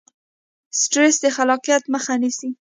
سټرس د خلاقیت مخه نیسي.